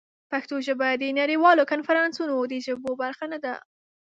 پښتو ژبه د نړیوالو کنفرانسونو د ژبو برخه نه ده.